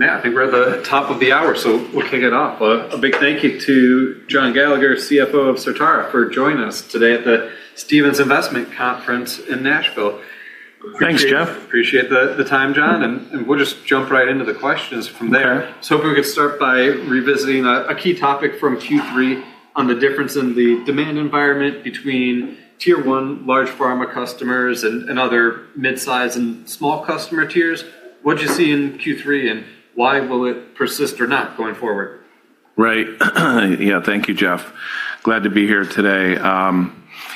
Yeah, I think we're at the top of the hour, so we'll kick it off. A big thank you to John Gallagher, CFO of Certara, for joining us today at the Stephens Investment Conference in Nashville. Thanks, Jeff. Appreciate the time, John, and we'll just jump right into the questions from there. If we could start by revisiting a key topic from Q3 on the difference in the demand environment between Tier 1 large pharma customers and other mid-size and small customer tiers. What do you see in Q3, and why will it persist or not going forward? Right. Yeah, thank you, Jeff. Glad to be here today.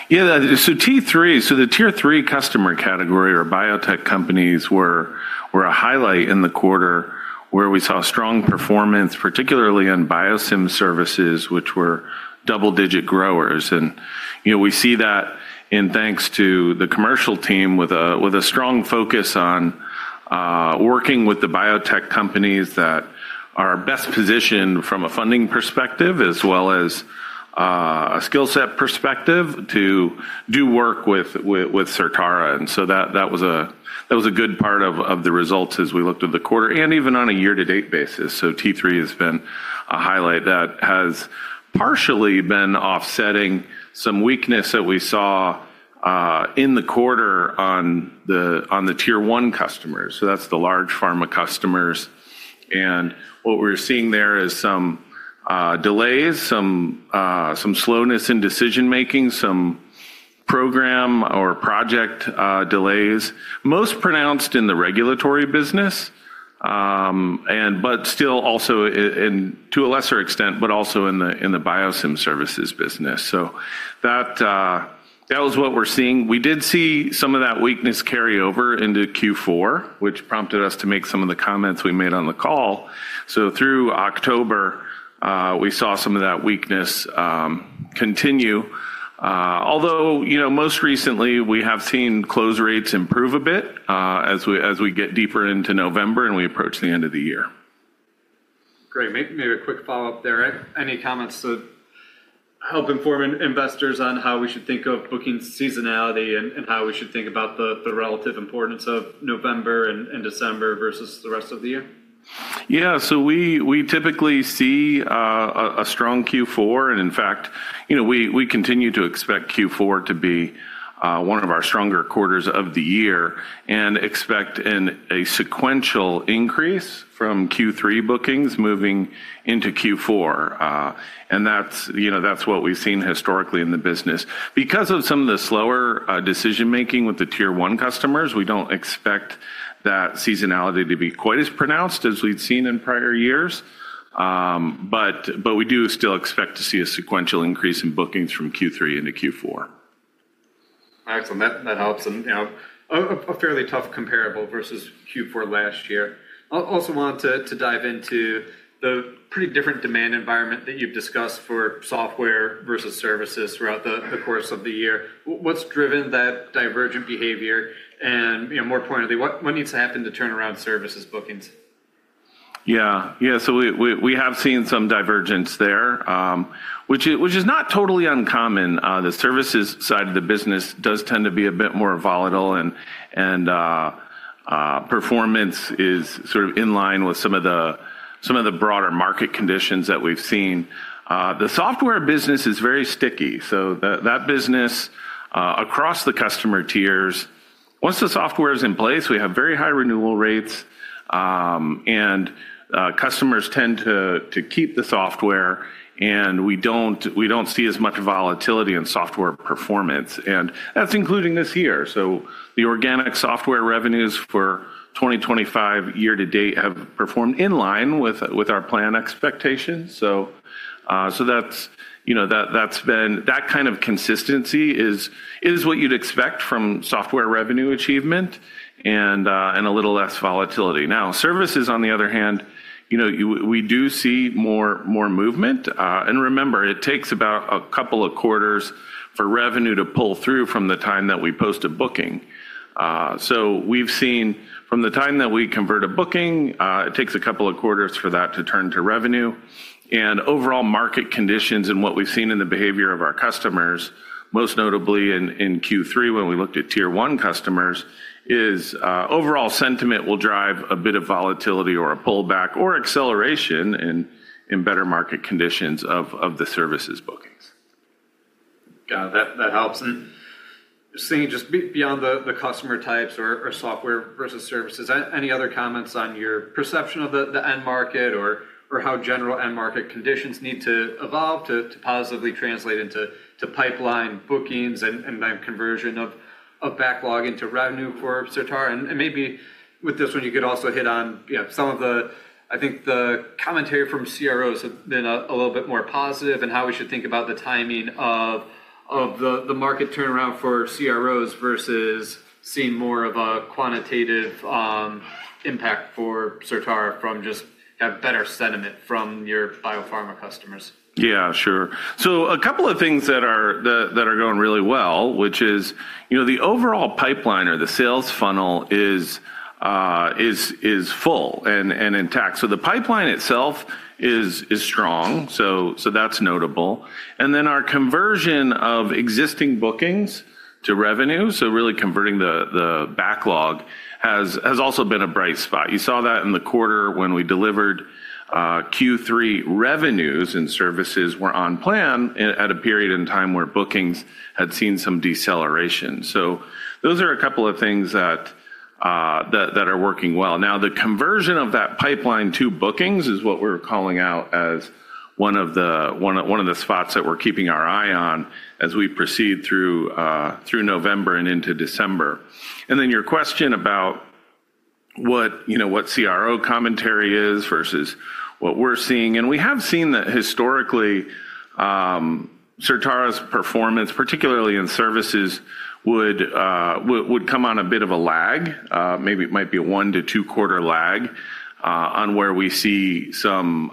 Yeah, so Tier 3, so the Tier 3 customer category or biotech companies were a highlight in the quarter where we saw strong performance, particularly in biosim services, which were double-digit growers. We see that in thanks to the commercial team with a strong focus on working with the biotech companies that are best positioned from a funding perspective as well as a skill set perspective to do work with Certara. That was a good part of the results as we looked at the quarter and even on a year-to-date basis. Tier 3 has been a highlight that has partially been offsetting some weakness that we saw in the quarter on the Tier 1 customers. That is the large pharma customers. What we're seeing there is some delays, some slowness in decision-making, some program or project delays, most pronounced in the regulatory business, but still also to a lesser extent, but also in the biosim services business. That was what we're seeing. We did see some of that weakness carry over into Q4, which prompted us to make some of the comments we made on the call. Through October, we saw some of that weakness continue. Although most recently, we have seen close rates improve a bit as we get deeper into November and we approach the end of the year. Great. Maybe a quick follow-up there. Any comments to help inform investors on how we should think of booking seasonality and how we should think about the relative importance of November and December versus the rest of the year? Yeah, so we typically see a strong Q4. In fact, we continue to expect Q4 to be one of our stronger quarters of the year and expect a sequential increase from Q3 bookings moving into Q4. That is what we have seen historically in the business. Because of some of the slower decision-making with the Tier 1 customers, we do not expect that seasonality to be quite as pronounced as we have seen in prior years. We do still expect to see a sequential increase in bookings from Q3 into Q4. Excellent. That helps. A fairly tough comparable versus Q4 last year. I also want to dive into the pretty different demand environment that you've discussed for software versus services throughout the course of the year. What's driven that divergent behavior? More importantly, what needs to happen to turn around services bookings? Yeah. Yeah, we have seen some divergence there, which is not totally uncommon. The services side of the business does tend to be a bit more volatile, and performance is sort of in line with some of the broader market conditions that we've seen. The software business is very sticky. That business across the customer tiers, once the software is in place, we have very high renewal rates, and customers tend to keep the software, and we do not see as much volatility in software performance. That is including this year. The organic software revenues for 2025 year-to-date have performed in line with our planned expectations. That kind of consistency is what you would expect from software revenue achievement and a little less volatility. Now, services, on the other hand, we do see more movement. Remember, it takes about a couple of quarters for revenue to pull through from the time that we post a booking. We have seen from the time that we convert a booking, it takes a couple of quarters for that to turn to revenue. Overall market conditions and what we have seen in the behavior of our customers, most notably in Q3 when we looked at Tier 1 customers, is overall sentiment will drive a bit of volatility or a pullback or acceleration in better market conditions of the services bookings. Yeah, that helps. Just thinking just beyond the customer types or software versus services, any other comments on your perception of the end market or how general end market conditions need to evolve to positively translate into pipeline bookings and then conversion of backlog into revenue for Certara? Maybe with this one, you could also hit on some of the, I think the commentary from CROs have been a little bit more positive and how we should think about the timing of the market turnaround for CROs versus seeing more of a quantitative impact for Certara from just having better sentiment from your biopharma customers. Yeah, sure. A couple of things that are going really well, which is the overall pipeline or the sales funnel is full and intact. The pipeline itself is strong. That's notable. Our conversion of existing bookings to revenue, so really converting the backlog, has also been a bright spot. You saw that in the quarter when we delivered Q3 revenues and services were on plan at a period in time where bookings had seen some deceleration. Those are a couple of things that are working well. Now, the conversion of that pipeline to bookings is what we're calling out as one of the spots that we're keeping our eye on as we proceed through November and into December. Your question about what CRO commentary is versus what we're seeing. We have seen that historically, Certara's performance, particularly in services, would come on a bit of a lag. Maybe it might be a one to two-quarter lag on where we see some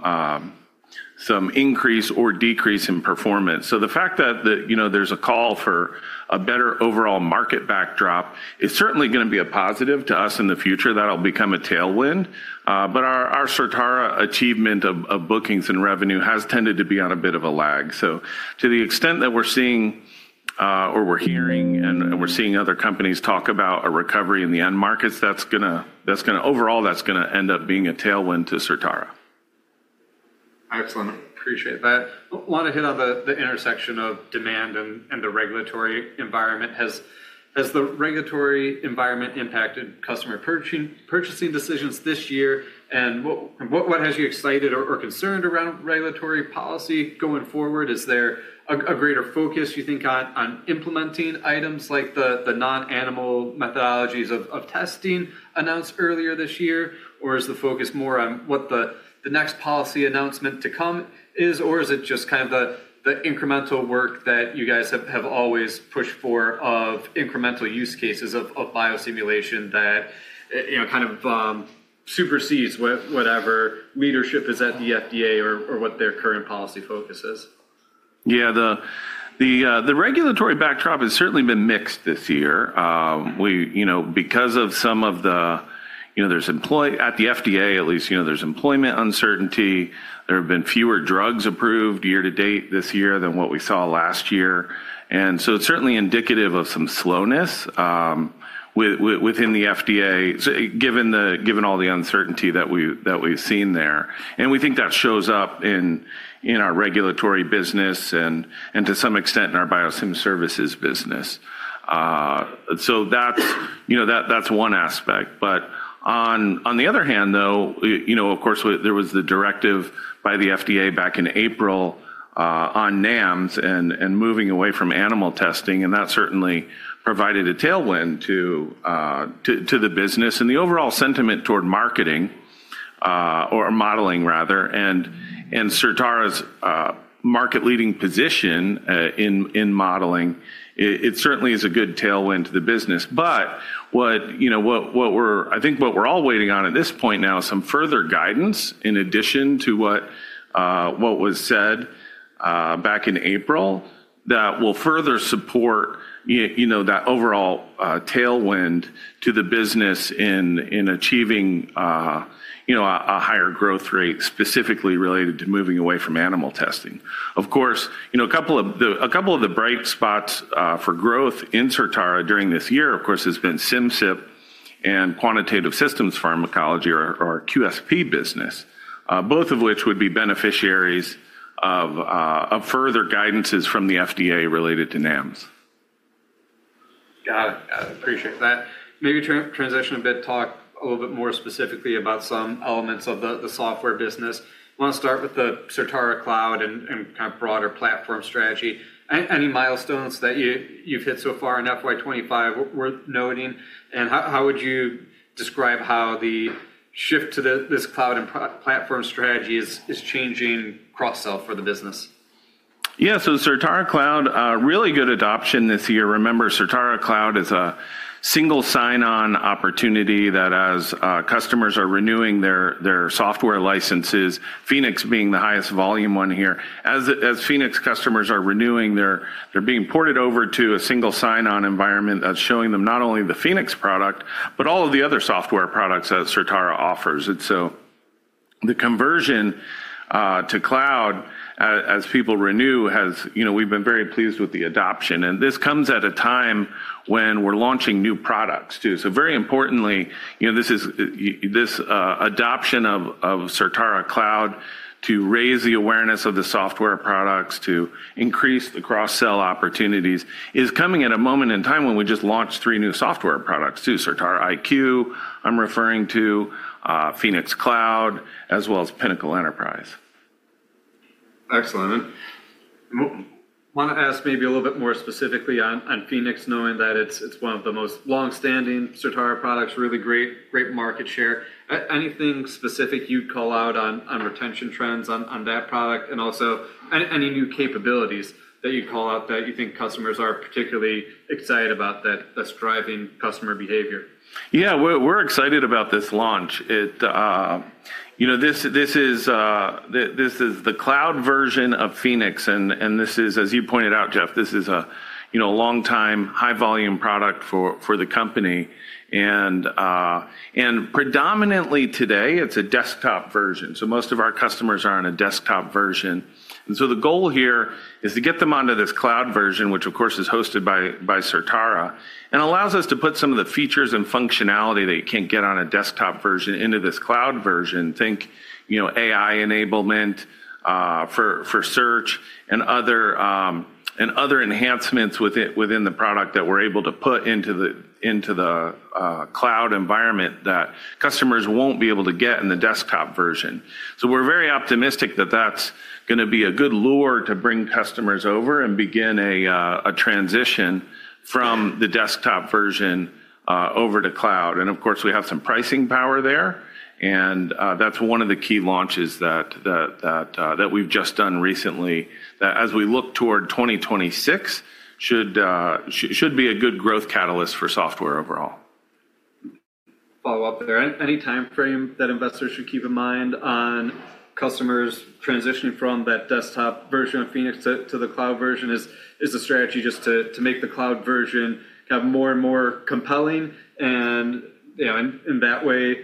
increase or decrease in performance. The fact that there is a call for a better overall market backdrop is certainly going to be a positive to us in the future. That will become a tailwind. Our Certara achievement of bookings and revenue has tended to be on a bit of a lag. To the extent that we are seeing or we are hearing and we are seeing other companies talk about a recovery in the end markets, that is going to, overall, that is going to end up being a tailwind to Certara. Excellent. Appreciate that. I want to hit on the intersection of demand and the regulatory environment. Has the regulatory environment impacted customer purchasing decisions this year? What has you excited or concerned around regulatory policy going forward? Is there a greater focus, you think, on implementing items like the non-animal methodologies of testing announced earlier this year? Is the focus more on what the next policy announcement to come is? Is it just kind of the incremental work that you guys have always pushed for of incremental use cases of biosimulation that kind of supersedes whatever leadership is at the FDA or what their current policy focus is? Yeah, the regulatory backdrop has certainly been mixed this year. Because of some of the, at the FDA, at least, there's employment uncertainty. There have been fewer drugs approved year-to-date this year than what we saw last year. It is certainly indicative of some slowness within the FDA, given all the uncertainty that we've seen there. We think that shows up in our regulatory business and to some extent in our biosim services business. That's one aspect. On the other hand, though, of course, there was the directive by the FDA back in April on NAMs and moving away from animal testing. That certainly provided a tailwind to the business and the overall sentiment toward marketing or modeling, rather. Certara's market-leading position in modeling, it certainly is a good tailwind to the business. What we're, I think what we're all waiting on at this point now is some further guidance in addition to what was said back in April that will further support that overall tailwind to the business in achieving a higher growth rate specifically related to moving away from animal testing. Of course, a couple of the bright spots for growth in Certara during this year, of course, has been Simcyp and Quantitative Systems Pharmacology or QSP business, both of which would be beneficiaries of further guidances from the FDA related to NAMs. Got it. Got it. Appreciate that. Maybe transition a bit, talk a little bit more specifically about some elements of the software business. I want to start with the Certara Cloud and kind of broader platform strategy. Any milestones that you've hit so far in FY 2025 worth noting? How would you describe how the shift to this cloud and platform strategy is changing cross-sell for the business? Yeah, so Certara Cloud, really good adoption this year. Remember, Certara Cloud is a single sign-on opportunity that as customers are renewing their software licenses, Phoenix being the highest volume one here. As Phoenix customers are renewing, they're being ported over to a single sign-on environment that's showing them not only the Phoenix product, but all of the other software products that Certara offers. The conversion to cloud as people renew has, we've been very pleased with the adoption. This comes at a time when we're launching new products too. Very importantly, this adoption of Certara Cloud to raise the awareness of the software products to increase the cross-sell opportunities is coming at a moment in time when we just launched three new software products to Certara IQ. I'm referring to Phoenix Cloud as well as Pinnacle Enterprise. Excellent. Want to ask maybe a little bit more specifically on Phoenix, knowing that it's one of the most long-standing Certara products, really great market share. Anything specific you'd call out on retention trends on that product? Also any new capabilities that you'd call out that you think customers are particularly excited about that's driving customer behavior? Yeah, we're excited about this launch. This is the cloud version of Phoenix. This is, as you pointed out, Jeff, this is a long-time high-volume product for the company. Predominantly today, it's a desktop version. Most of our customers are on a desktop version. The goal here is to get them onto this cloud version, which of course is hosted by Certara and allows us to put some of the features and functionality that you can't get on a desktop version into this cloud version. Think AI enablement for search and other enhancements within the product that we're able to put into the cloud environment that customers won't be able to get in the desktop version. We're very optimistic that that's going to be a good lure to bring customers over and begin a transition from the desktop version over to cloud. Of course, we have some pricing power there. That is one of the key launches that we have just done recently that, as we look toward 2026, should be a good growth catalyst for software overall. Follow up there. Any timeframe that investors should keep in mind on customers transitioning from that desktop version of Phoenix to the cloud version? Is the strategy just to make the cloud version kind of more and more compelling and in that way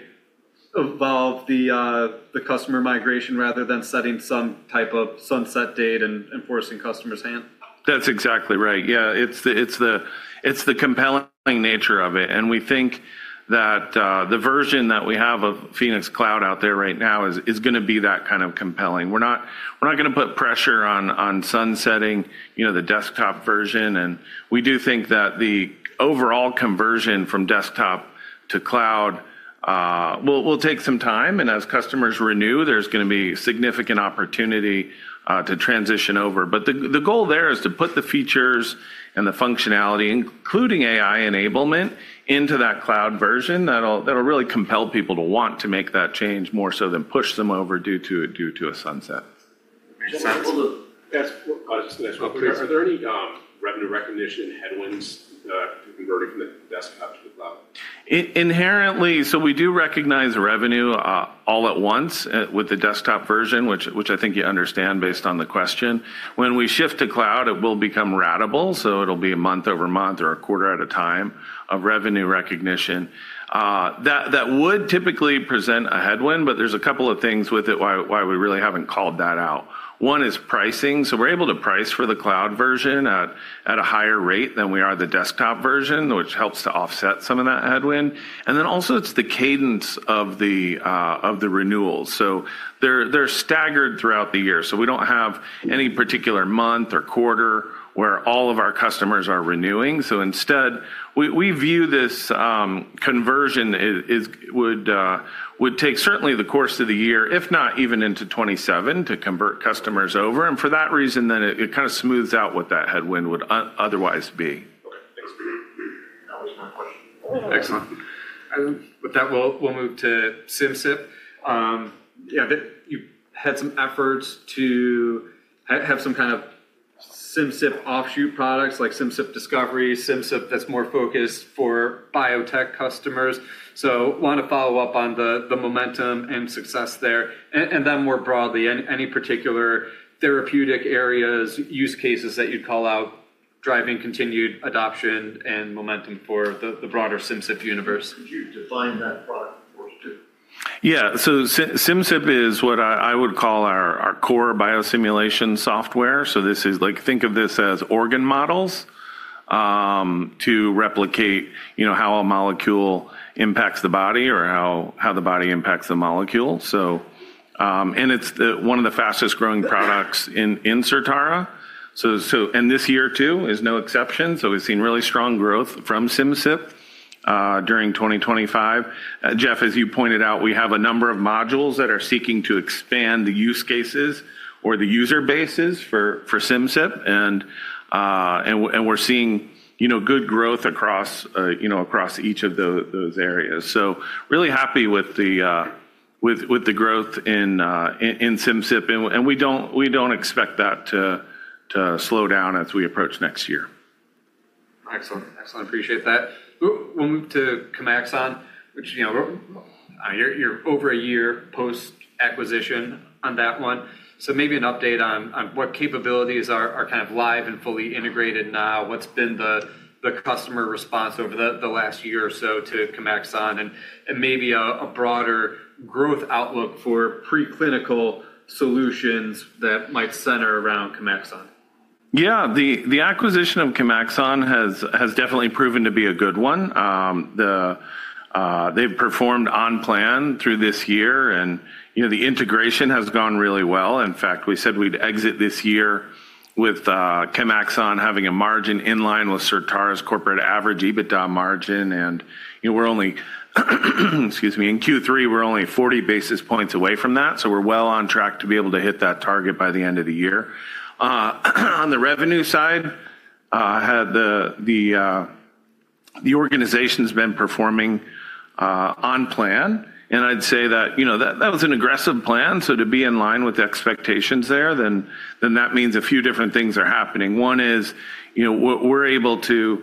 evolve the customer migration rather than setting some type of sunset date and forcing customers' hand? That's exactly right. Yeah, it's the compelling nature of it. We think that the version that we have of Phoenix Cloud out there right now is going to be that kind of compelling. We're not going to put pressure on sunsetting the desktop version. We do think that the overall conversion from desktop to cloud will take some time. As customers renew, there's going to be significant opportunity to transition over. The goal there is to put the features and the functionality, including AI enablement, into that cloud version that'll really compel people to want to make that change more so than push them over due to a sunset. Are there any revenue recognition headwinds to converting from the desktop to the cloud? Inherently, we do recognize revenue all at once with the desktop version, which I think you understand based on the question. When we shift to cloud, it will become ratable. It will be a month over month or a quarter at a time of revenue recognition. That would typically present a headwind, but there are a couple of things with it why we really have not called that out. One is pricing. We are able to price for the cloud version at a higher rate than we are the desktop version, which helps to offset some of that headwind. Also, it is the cadence of the renewals. They are staggered throughout the year. We do not have any particular month or quarter where all of our customers are renewing. Instead, we view this conversion would take certainly the course of the year, if not even into 2027, to convert customers over. For that reason, then it kind of smooths out what that headwind would otherwise be. Okay. Thanks. That was my question. Excellent. With that, we'll move to Simcyp. Yeah, you had some efforts to have some kind of SimCip offshoot products like Simcyp Discovery, Simcyp that's more focused for biotech customers. So want to follow up on the momentum and success there. And then more broadly, any particular therapeutic areas, use cases that you'd call out driving continued adoption and momentum for the broader SimCip universe? Could you define that product for us too? Yeah. SimCip is what I would call our core biosimulation software. This is like, think of this as organ models to replicate how a molecule impacts the body or how the body impacts the molecule. It is one of the fastest growing products in Certara. This year too is no exception. We have seen really strong growth from SimCip during 2025. Jeff, as you pointed out, we have a number of modules that are seeking to expand the use cases or the user bases for SimCip. We are seeing good growth across each of those areas. Really happy with the growth in SimCip. We do not expect that to slow down as we approach next year. Excellent. Excellent. Appreciate that. We'll move to Chemaxon, which you're over a year post-acquisition on that one. Maybe an update on what capabilities are kind of live and fully integrated now, what's been the customer response over the last year or so to Chemaxon, and maybe a broader growth outlook for preclinical solutions that might center around Chemaxon? Yeah. The acquisition of Chemaxon has definitely proven to be a good one. They've performed on plan through this year. The integration has gone really well. In fact, we said we'd exit this year with Chemaxon having a margin in line with Certara's corporate average EBITDA margin. We're only, excuse me, in Q3, we're only 40 basis points away from that. We're well on track to be able to hit that target by the end of the year. On the revenue side, the organization's been performing on plan. I'd say that that was an aggressive plan. To be in line with expectations there, that means a few different things are happening. One is we're able to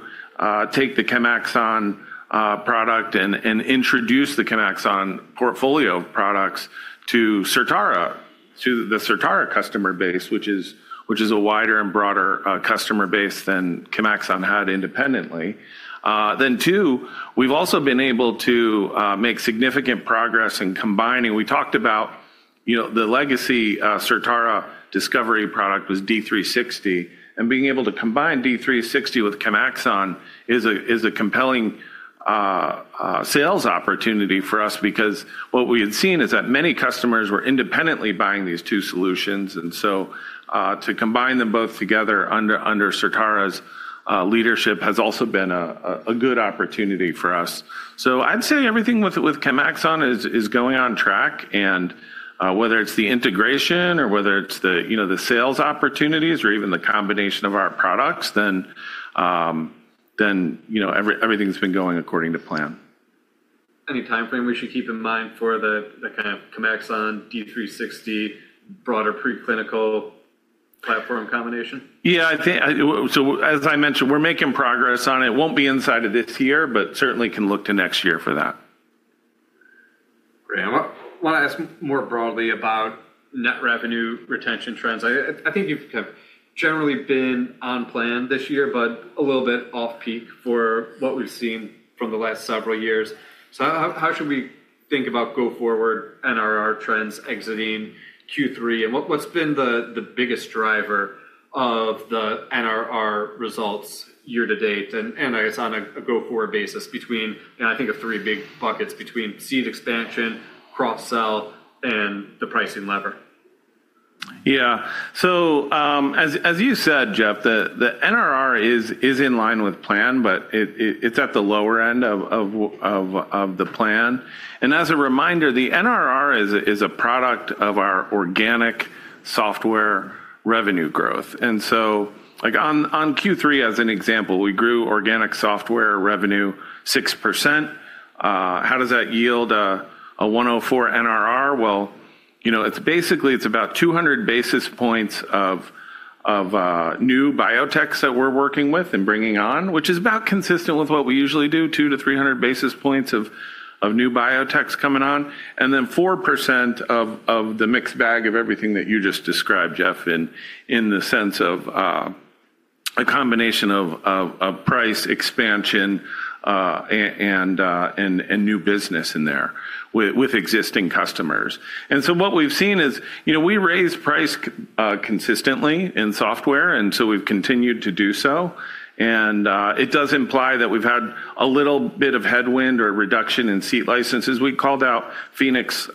take the Chemaxon product and introduce the Chemaxon portfolio of products to Certara, to the Certara customer base, which is a wider and broader customer base than Chemaxon had independently. Two, we've also been able to make significant progress in combining. We talked about the legacy Certara Discovery product was D360. Being able to combine D360 with Chemaxon is a compelling sales opportunity for us because what we had seen is that many customers were independently buying these two solutions. To combine them both together under Certara's leadership has also been a good opportunity for us. I'd say everything with Chemaxon is going on track. Whether it's the integration or whether it's the sales opportunities or even the combination of our products, everything's been going according to plan. Any timeframe we should keep in mind for the kind of Chemaxon D360 broader preclinical platform combination? Yeah. As I mentioned, we're making progress on it. It won't be inside of this year, but certainly can look to next year for that. Great. I want to ask more broadly about net revenue retention trends. I think you've kind of generally been on plan this year, but a little bit off peak for what we've seen from the last several years. How should we think about go forward NRR trends exiting Q3? What's been the biggest driver of the NRR results year to date? I guess on a go forward basis between, I think, three big buckets between seed expansion, cross-sell, and the pricing lever. Yeah. As you said, Jeff, the NRR is in line with plan, but it's at the lower end of the plan. As a reminder, the NRR is a product of our organic software revenue growth. On Q3, as an example, we grew organic software revenue 6%. How does that yield a 104 NRR? It's basically about 200 basis points of new biotechs that we're working with and bringing on, which is about consistent with what we usually do, 200-300 basis points of new biotechs coming on. Then 4% of the mixed bag of everything that you just described, Jeff, in the sense of a combination of price expansion and new business in there with existing customers. What we've seen is we raised price consistently in software, and we've continued to do so. It does imply that we've had a little bit of headwind or reduction in seat licenses. We called out Phoenix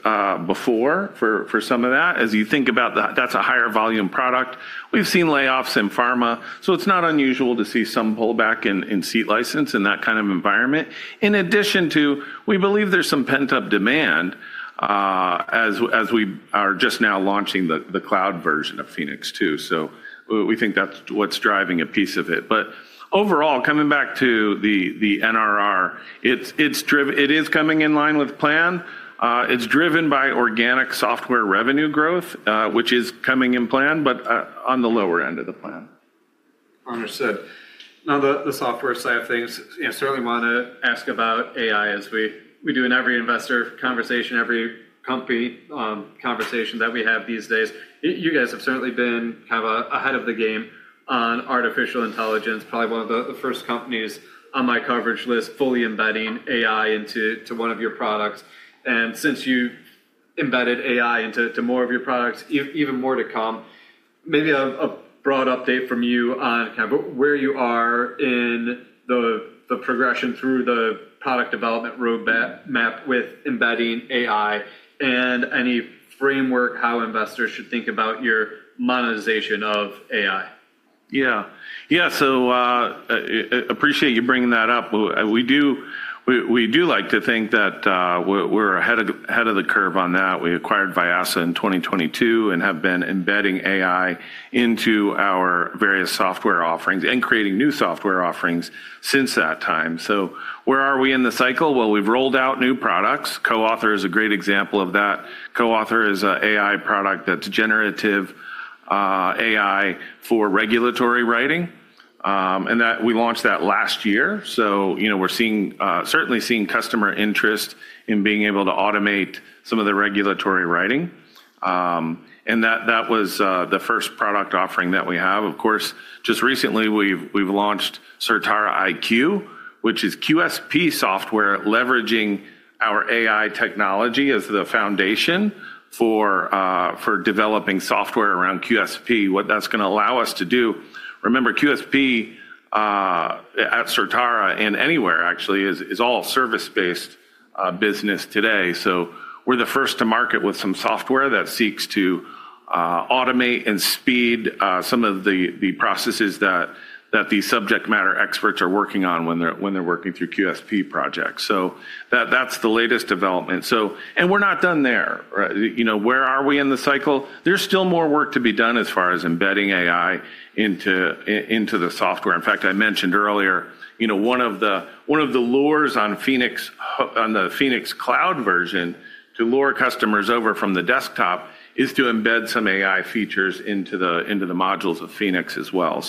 before for some of that. As you think about that, that's a higher volume product. We've seen layoffs in pharma. It's not unusual to see some pullback in seat license in that kind of environment. In addition to, we believe there's some pent-up demand as we are just now launching the cloud version of Phoenix too. We think that's what's driving a piece of it. Overall, coming back to the NRR, it is coming in line with plan. It's driven by organic software revenue growth, which is coming in plan, but on the lower end of the plan. Understood. Now, the software side of things, I certainly want to ask about AI as we do in every investor conversation, every company conversation that we have these days. You guys have certainly been kind of ahead of the game on artificial intelligence, probably one of the first companies on my coverage list fully embedding AI into one of your products. Since you embedded AI into more of your products, even more to come, maybe a broad update from you on kind of where you are in the progression through the product development roadmap with embedding AI and any framework, how investors should think about your monetization of AI. Yeah. Yeah. I appreciate you bringing that up. We do like to think that we're ahead of the curve on that. We acquired Vyasa in 2022 and have been embedding AI into our various software offerings and creating new software offerings since that time. Where are we in the cycle? We've rolled out new products. CoAuthor is a great example of that. CoAuthor is an AI product that's generative AI for regulatory writing. We launched that last year. We're certainly seeing customer interest in being able to automate some of the regulatory writing. That was the first product offering that we have. Of course, just recently, we've launched Certara IQ, which is QSP software leveraging our AI technology as the foundation for developing software around QSP, what that's going to allow us to do. Remember, QSP at Certara and anywhere actually is all service-based business today. We are the first to market with some software that seeks to automate and speed some of the processes that these subject matter experts are working on when they're working through QSP projects. That is the latest development. We are not done there. Where are we in the cycle? There is still more work to be done as far as embedding AI into the software. In fact, I mentioned earlier, one of the lures on the Phoenix Cloud version to lure customers over from the desktop is to embed some AI features into the modules of Phoenix as well.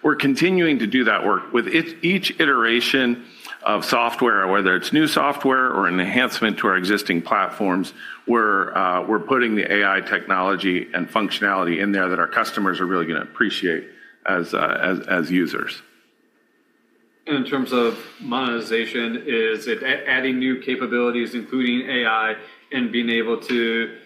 We're continuing to do that work with each iteration of software, whether it's new software or an enhancement to our existing platforms, we're putting the AI technology and functionality in there that our customers are really going to appreciate as users. In terms of monetization, is it adding new capabilities, including AI, and being able to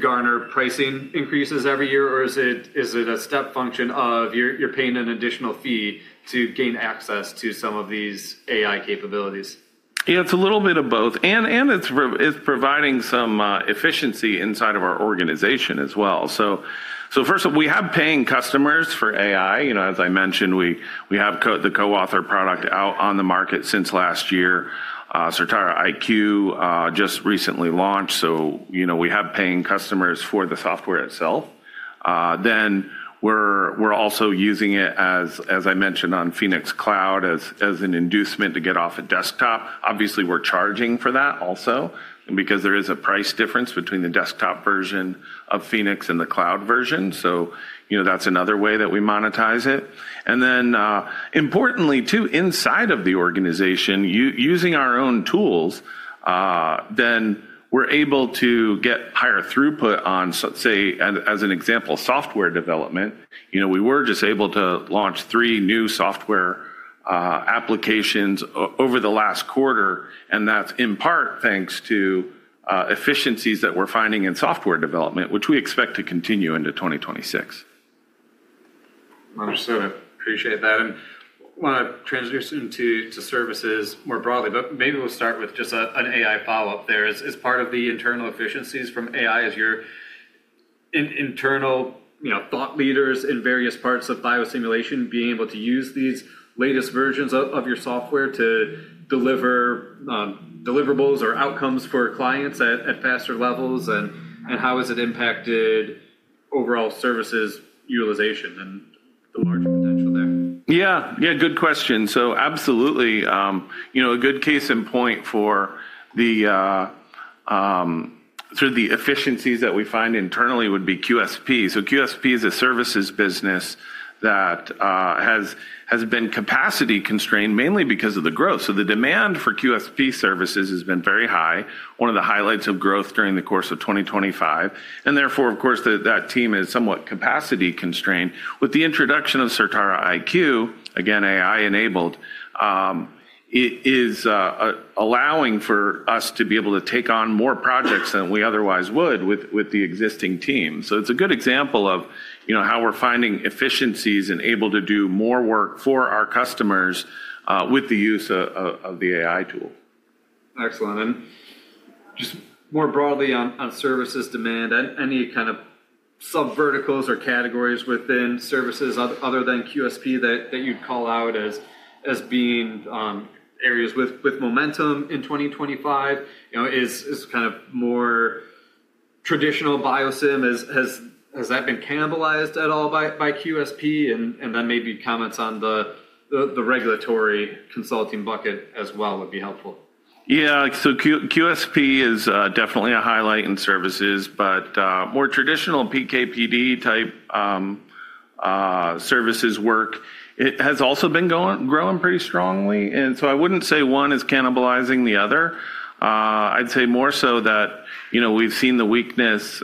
garner pricing increases every year, or is it a step function of you're paying an additional fee to gain access to some of these AI capabilities? Yeah, it's a little bit of both. And it's providing some efficiency inside of our organization as well. First of all, we have paying customers for AI. As I mentioned, we have the CoAuthor product out on the market since last year. Certara IQ just recently launched. We have paying customers for the software itself. We're also using it, as I mentioned, on Phoenix Cloud as an inducement to get off a desktop. Obviously, we're charging for that also because there is a price difference between the desktop version of Phoenix and the cloud version. That's another way that we monetize it. Importantly too, inside of the organization, using our own tools, we're able to get higher throughput on, say, as an example, software development. We were just able to launch three new software applications over the last quarter. That is in part thanks to efficiencies that we are finding in software development, which we expect to continue into 2026. Understood. Appreciate that. I want to transition to services more broadly, but maybe we'll start with just an AI follow-up there. Is part of the internal efficiencies from AI as your internal thought leaders in various parts of biosimulation being able to use these latest versions of your software to deliver deliverables or outcomes for clients at faster levels? How has it impacted overall services utilization and the larger potential there? Yeah. Yeah, good question. Absolutely. A good case in point through the efficiencies that we find internally would be QSP. QSP is a services business that has been capacity constrained mainly because of the growth. The demand for QSP services has been very high, one of the highlights of growth during the course of 2025. Therefore, of course, that team is somewhat capacity constrained. With the introduction of Certara IQ, again, AI-enabled, it is allowing for us to be able to take on more projects than we otherwise would with the existing team. It is a good example of how we're finding efficiencies and able to do more work for our customers with the use of the AI tool. Excellent. Just more broadly on services demand, any kind of sub-verticals or categories within services other than QSP that you'd call out as being areas with momentum in 2025? Is kind of more traditional biosim, has that been cannibalized at all by QSP? Maybe comments on the regulatory consulting bucket as well would be helpful. Yeah. QSP is definitely a highlight in services, but more traditional PKPD type services work has also been growing pretty strongly. I would not say one is cannibalizing the other. I would say more so that we've seen the weakness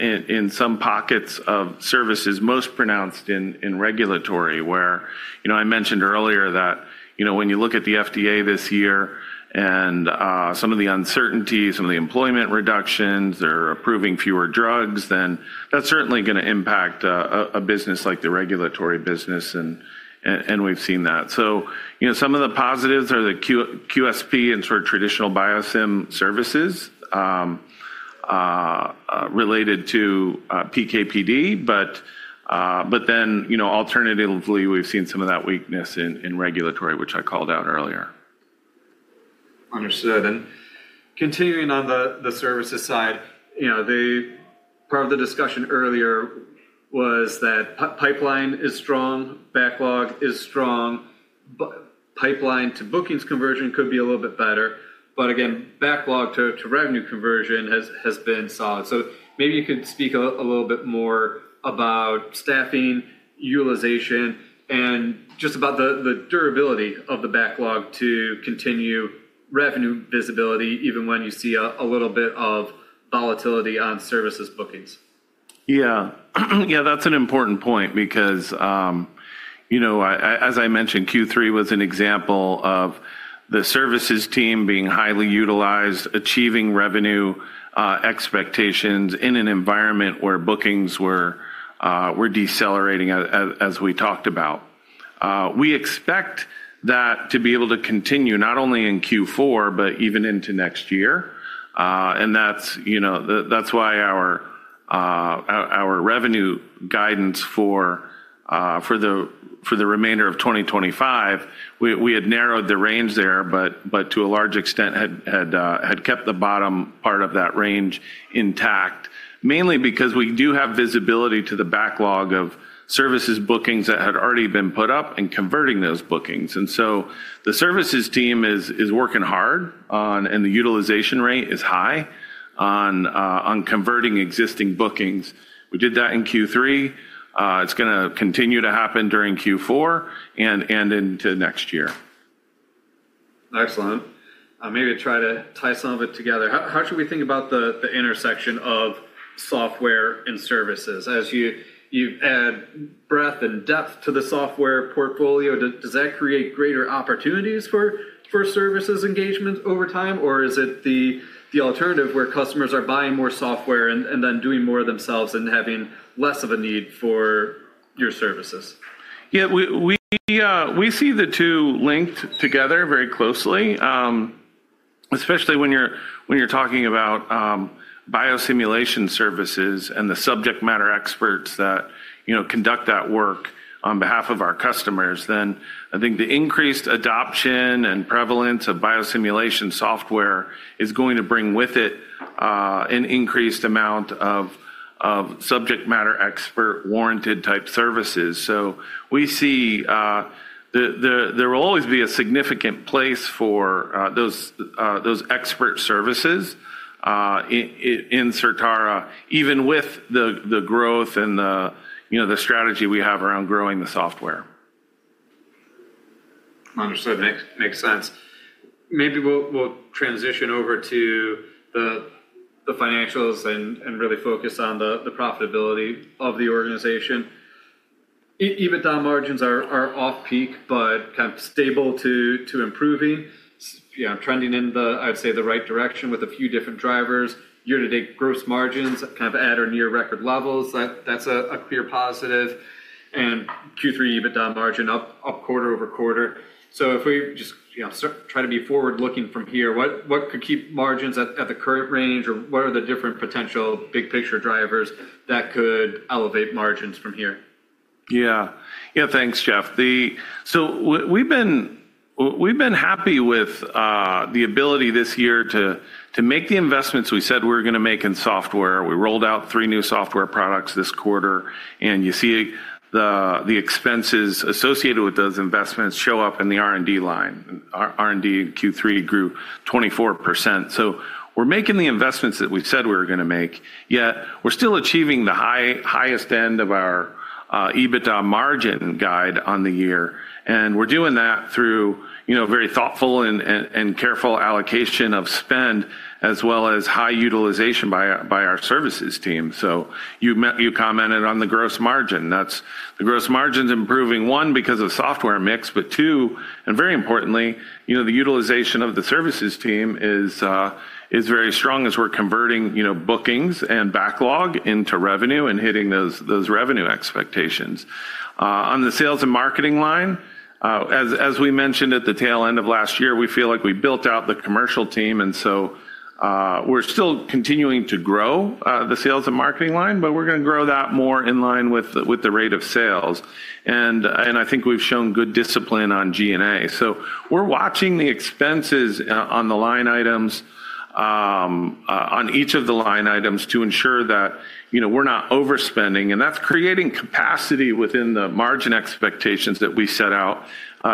in some pockets of services most pronounced in regulatory where I mentioned earlier that when you look at the FDA this year and some of the uncertainties, some of the employment reductions, they're approving fewer drugs, then that's certainly going to impact a business like the regulatory business, and we've seen that. Some of the positives are the QSP and sort of traditional biosim services related to PKPD, but then alternatively, we've seen some of that weakness in regulatory, which I called out earlier. Understood. Continuing on the services side, part of the discussion earlier was that pipeline is strong, backlog is strong, pipeline to bookings conversion could be a little bit better, but again, backlog to revenue conversion has been solid. Maybe you could speak a little bit more about staffing, utilization, and just about the durability of the backlog to continue revenue visibility even when you see a little bit of volatility on services bookings. Yeah. Yeah, that's an important point because, as I mentioned, Q3 was an example of the services team being highly utilized, achieving revenue expectations in an environment where bookings were decelerating, as we talked about. We expect that to be able to continue not only in Q4, but even into next year. That is why our revenue guidance for the remainder of 2025, we had narrowed the range there, but to a large extent had kept the bottom part of that range intact, mainly because we do have visibility to the backlog of services bookings that had already been put up and converting those bookings. The services team is working hard, and the utilization rate is high on converting existing bookings. We did that in Q3. It's going to continue to happen during Q4 and into next year. Excellent. Maybe try to tie some of it together. How should we think about the intersection of software and services? As you add breadth and depth to the software portfolio, does that create greater opportunities for services engagement over time, or is it the alternative where customers are buying more software and then doing more themselves and having less of a need for your services? Yeah, we see the two linked together very closely, especially when you're talking about biosimulation services and the subject matter experts that conduct that work on behalf of our customers. I think the increased adoption and prevalence of biosimulation software is going to bring with it an increased amount of subject matter expert warranted type services. We see there will always be a significant place for those expert services in Certara, even with the growth and the strategy we have around growing the software. Understood. Makes sense. Maybe we'll transition over to the financials and really focus on the profitability of the organization. EBITDA margins are off peak, but kind of stable to improving, trending in the, I'd say, the right direction with a few different drivers. Year-to-date gross margins kind of at or near record levels. That's a clear positive. Q3 EBITDA margin up quarter over quarter. If we just try to be forward-looking from here, what could keep margins at the current range, or what are the different potential big-picture drivers that could elevate margins from here? Yeah. Yeah, thanks, Jeff. So we've been happy with the ability this year to make the investments we said we were going to make in software. We rolled out three new software products this quarter. You see the expenses associated with those investments show up in the R&D line. R&D in Q3 grew 24%. We're making the investments that we said we were going to make, yet we're still achieving the highest end of our EBITDA margin guide on the year. We're doing that through very thoughtful and careful allocation of spend as well as high utilization by our services team. You commented on the gross margin. The gross margin's improving, one, because of software mix, but two, and very importantly, the utilization of the services team is very strong as we're converting bookings and backlog into revenue and hitting those revenue expectations. On the sales and marketing line, as we mentioned at the tail end of last year, we feel like we built out the commercial team. We are still continuing to grow the sales and marketing line, but we are going to grow that more in line with the rate of sales. I think we have shown good discipline on G&A. We are watching the expenses on the line items, on each of the line items to ensure that we are not overspending. That is creating capacity within the margin expectations that we set out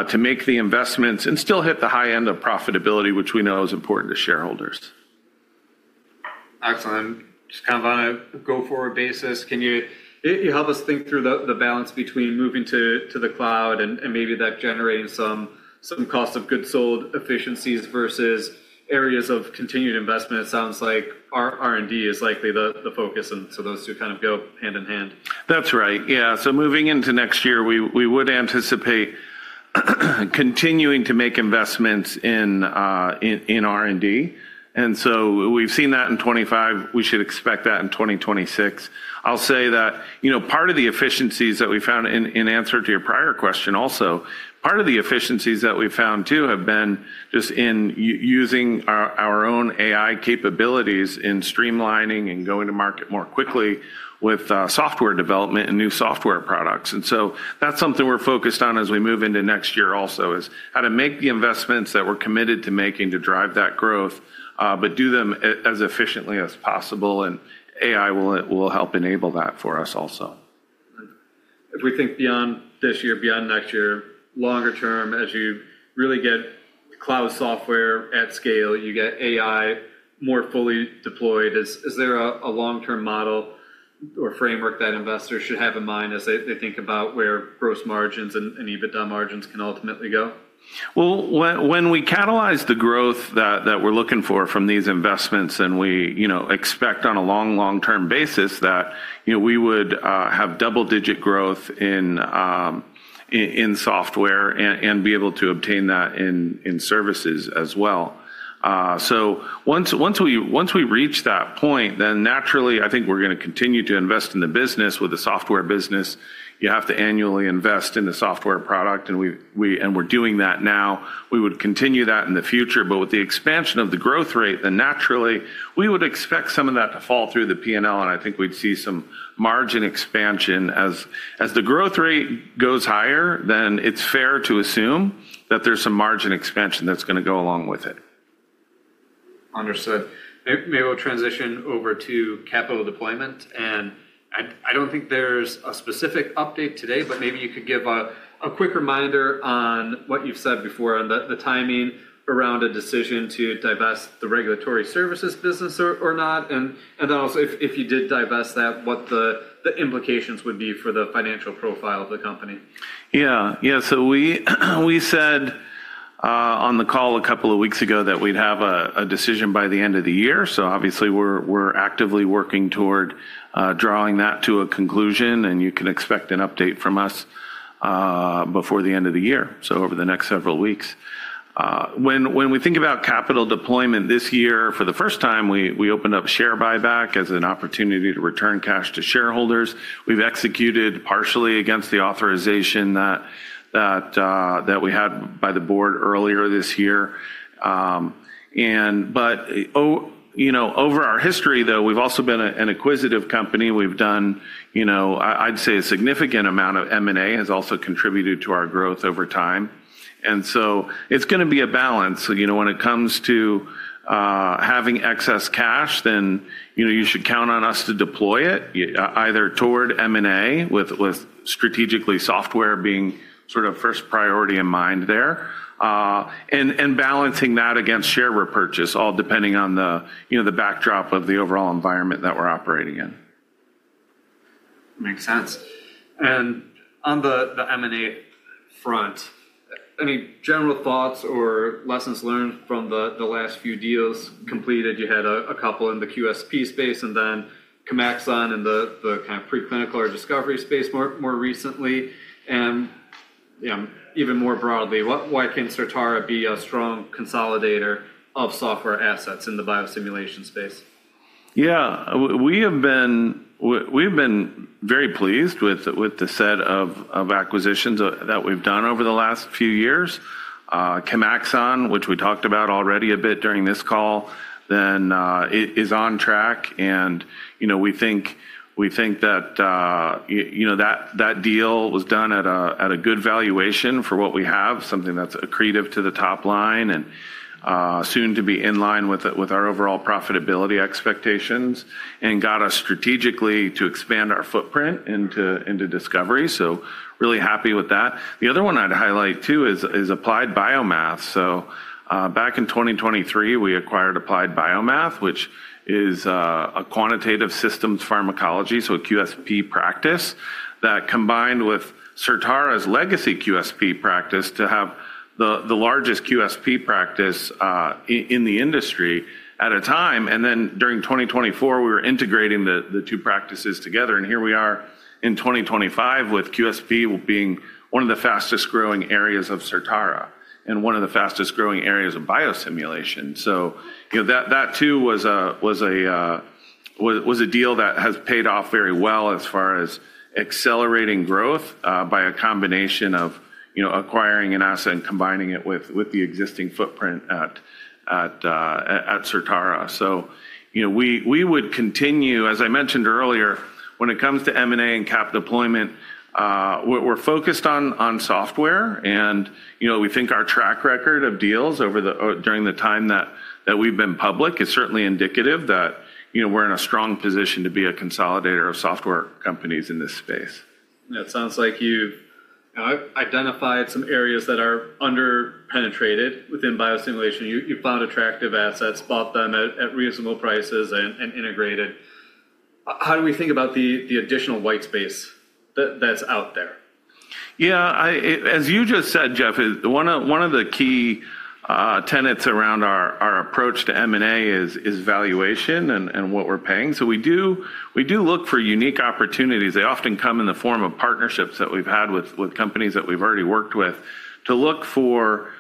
to make the investments and still hit the high end of profitability, which we know is important to shareholders. Excellent. Just kind of on a go-forward basis, can you help us think through the balance between moving to the cloud and maybe that generating some cost of goods sold efficiencies versus areas of continued investment? It sounds like R&D is likely the focus, and so those two kind of go hand in hand. That's right. Yeah. Moving into next year, we would anticipate continuing to make investments in R&D. We have seen that in 2025. We should expect that in 2026. I'll say that part of the efficiencies that we found in answer to your prior question also, part of the efficiencies that we found too have been just in using our own AI capabilities in streamlining and going to market more quickly with software development and new software products. That is something we're focused on as we move into next year also, how to make the investments that we're committed to making to drive that growth, but do them as efficiently as possible. AI will help enable that for us also. If we think beyond this year, beyond next year, longer term, as you really get cloud software at scale, you get AI more fully deployed, is there a long-term model or framework that investors should have in mind as they think about where gross margins and EBITDA margins can ultimately go? When we catalyze the growth that we're looking for from these investments, and we expect on a long, long-term basis that we would have double-digit growth in software and be able to obtain that in services as well. Once we reach that point, then naturally, I think we're going to continue to invest in the business. With the software business, you have to annually invest in the software product, and we're doing that now. We would continue that in the future, but with the expansion of the growth rate, then naturally, we would expect some of that to fall through the P&L, and I think we'd see some margin expansion. As the growth rate goes higher, then it's fair to assume that there's some margin expansion that's going to go along with it. Understood. Maybe we'll transition over to capital deployment. I don't think there's a specific update today, but maybe you could give a quick reminder on what you've said before on the timing around a decision to divest the regulatory services business or not. Also, if you did divest that, what the implications would be for the financial profile of the company. Yeah. Yeah. We said on the call a couple of weeks ago that we'd have a decision by the end of the year. Obviously, we're actively working toward drawing that to a conclusion, and you can expect an update from us before the end of the year, so over the next several weeks. When we think about capital deployment this year, for the first time, we opened up share buyback as an opportunity to return cash to shareholders. We've executed partially against the authorization that we had by the board earlier this year. Over our history, though, we've also been an acquisitive company. We've done, I'd say, a significant amount of M&A has also contributed to our growth over time. It's going to be a balance. When it comes to having excess cash, then you should count on us to deploy it either toward M&A with strategically software being sort of first priority in mind there and balancing that against share repurchase, all depending on the backdrop of the overall environment that we're operating in. Makes sense. On the M&A front, any general thoughts or lessons learned from the last few deals completed? You had a couple in the QSP space and then Chemaxon in the kind of preclinical or discovery space more recently. Even more broadly, why can Certara be a strong consolidator of software assets in the biosimulation space? Yeah. We have been very pleased with the set of acquisitions that we've done over the last few years. Chemaxon, which we talked about already a bit during this call, then is on track. We think that that deal was done at a good valuation for what we have, something that's accretive to the top line and soon to be in line with our overall profitability expectations and got us strategically to expand our footprint into discovery. Really happy with that. The other one I'd highlight too is Applied BioMath. Back in 2023, we acquired Applied BioMath, which is a Quantitative Systems Pharmacology, so a QSP practice that combined with Certara's legacy QSP practice to have the largest QSP practice in the industry at the time. During 2024, we were integrating the two practices together. Here we are in 2025 with QSP being one of the fastest growing areas of Certara and one of the fastest growing areas of biosimulation. That too was a deal that has paid off very well as far as accelerating growth by a combination of acquiring an asset and combining it with the existing footprint at Certara. We would continue, as I mentioned earlier, when it comes to M&A and cap deployment, we're focused on software. We think our track record of deals during the time that we've been public is certainly indicative that we're in a strong position to be a consolidator of software companies in this space. It sounds like you've identified some areas that are under-penetrated within biosimulation. You found attractive assets, bought them at reasonable prices, and integrated. How do we think about the additional white space that's out there? Yeah. As you just said, Jeff, one of the key tenets around our approach to M&A is valuation and what we're paying. We do look for unique opportunities. They often come in the form of partnerships that we've had with companies that we've already worked with to look for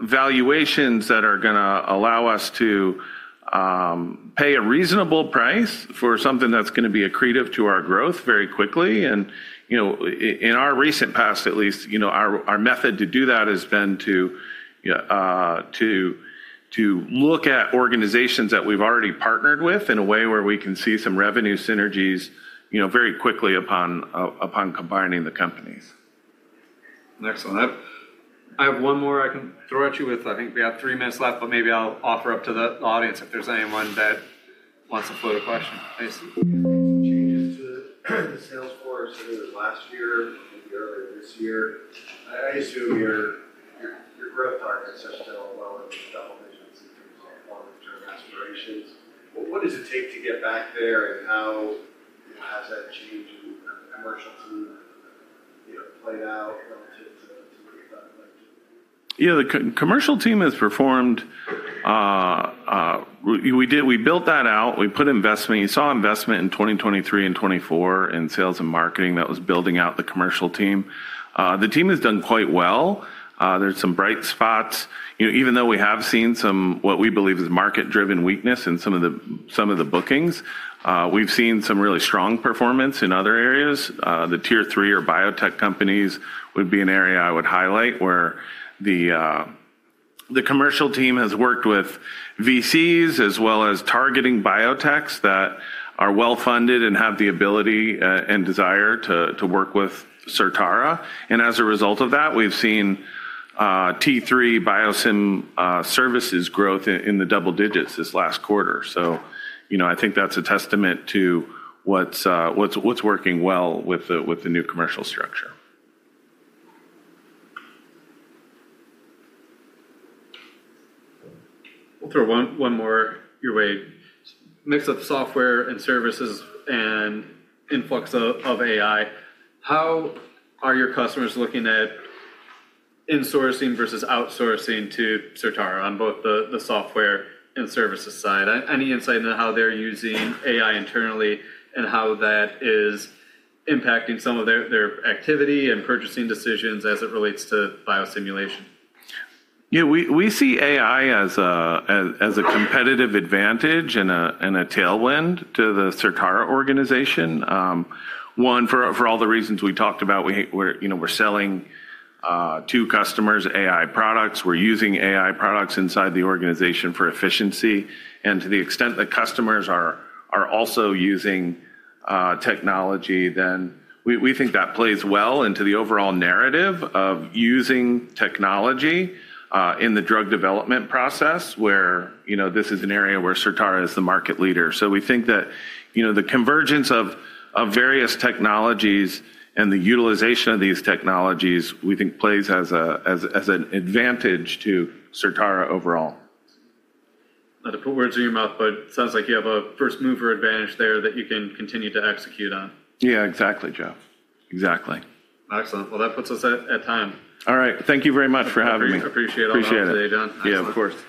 valuations that are going to allow us to pay a reasonable price for something that's going to be accretive to our growth very quickly. In our recent past, at least, our method to do that has been to look at organizations that we've already partnered with in a way where we can see some revenue synergies very quickly upon combining the companies. Excellent. I have one more I can throw at you with. I think we have three minutes left, but maybe I'll offer up to the audience if there's anyone that wants to float a question. I assume changes to the sales force either last year or maybe earlier this year. I assume your growth targets have fell well into the double digits in terms of longer-term aspirations. What does it take to get back there, and how has that change in the commercial team played out relative to what you thought it might do? Yeah. The commercial team has performed. We built that out. We put investment. You saw investment in 2023 and 2024 in sales and marketing that was building out the commercial team. The team has done quite well. There are some bright spots. Even though we have seen some what we believe is market-driven weakness in some of the bookings, we have seen some really strong performance in other areas. The tier three or biotech companies would be an area I would highlight where the commercial team has worked with VCs as well as targeting biotechs that are well-funded and have the ability and desire to work with Certara. As a result of that, we have seen T3 biosim services growth in the double digits this last quarter. I think that is a testament to what is working well with the new commercial structure. We'll throw one more your way. Mix of software and services and influx of AI. How are your customers looking at insourcing versus outsourcing to Certara on both the software and services side? Any insight into how they're using AI internally and how that is impacting some of their activity and purchasing decisions as it relates to biosimulation? Yeah. We see AI as a competitive advantage and a tailwind to the Certara organization. One, for all the reasons we talked about, we're selling to customers AI products. We're using AI products inside the organization for efficiency. To the extent that customers are also using technology, we think that plays well into the overall narrative of using technology in the drug development process where this is an area where Certara is the market leader. We think that the convergence of various technologies and the utilization of these technologies, we think plays as an advantage to Certara overall. Let it put words in your mouth, but it sounds like you have a first-mover advantage there that you can continue to execute on. Yeah, exactly, Jeff. Exactly. Excellent. That puts us at time. All right. Thank you very much for having me. Appreciate it. Appreciate it. All the help today, John. Yeah, of course.